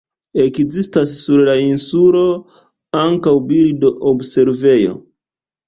Ekzistas sur la insulo ankaŭ birdo-observejo.